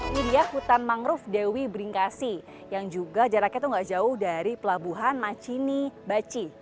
ini dia hutan mangrove dewi beringkasi yang juga jaraknya itu gak jauh dari pelabuhan macini baci